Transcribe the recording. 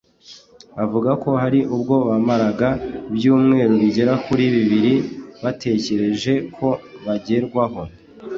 Avuga ko hari ubwo bamaraga ibyumweru bigera kuri bibiri bategereje ko bagerwaho